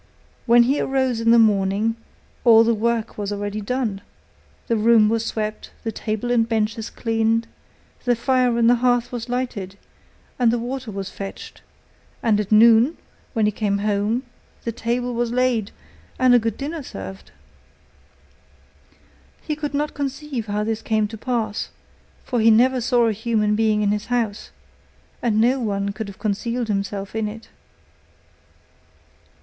When he arose in the morning, all the work was already done, the room was swept, the table and benches cleaned, the fire in the hearth was lighted, and the water was fetched, and at noon, when he came home, the table was laid, and a good dinner served. He could not conceive how this came to pass, for he never saw a human being in his house, and no one could have concealed himself in it.